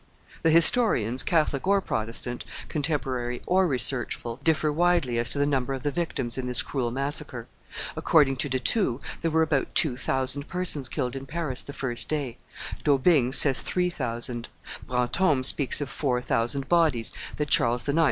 The historians, Catholic or Protestant, contemporary or researchful, differ widely as to the number of the victims in this cruel massacre; according to De Thou, there were about two thousand persons killed in Paris the first day; D'Aubigne says three thousand; Brantome speaks of four thousand bodies that Charles IX.